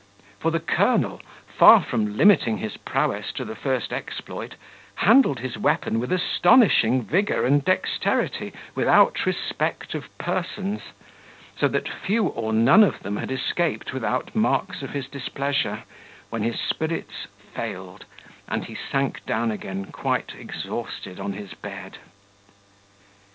For the colonel, far from limiting his prowess to the first exploit, handled his weapon with astonishing vigour and dexterity, without respect of persons; so that few or none of them had escaped without marks of his displeasure, when his spirits failed, and he sank down again quite exhausted on his bed.